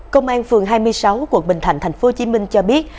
công an phường hai mươi sáu quận bình thạnh tp hcm cho biết